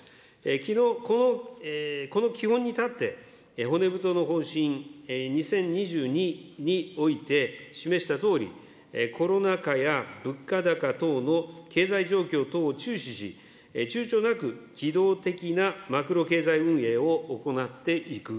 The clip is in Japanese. きのう、この基本に立って、骨太の方針２０２２において示したとおり、コロナ禍や物価高等の経済状況等を注視し、ちゅうちょなく機動的なマクロ経済運営を行っていく。